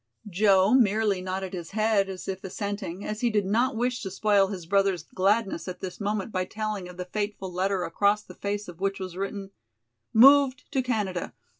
] Joe merely nodded his head as if assenting, as he did not wish to spoil his brother's gladness at this moment by telling of the fateful letter across the face of which was written: "Moved to Canada.